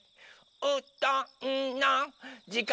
「うどんのじかんです！」